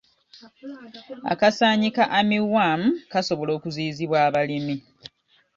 Akasaanyi ka armyworm kasobola okuziyizibwa abalimi.